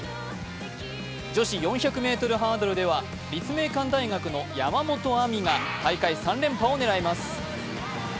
女子４００ｍハードルでは、立命館大学の山本亜美が大会３連覇を狙います。